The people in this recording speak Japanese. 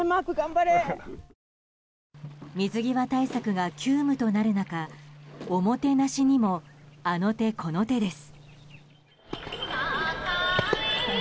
水際対策が急務となる中おもてなしにもあの手この手です。